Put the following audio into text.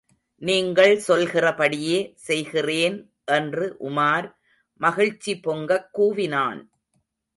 நீங்கள் சொல்கிறபடியே செய்கிறேன் என்று உமார் மகிழ்ச்சி பொங்கக் கூவினான்.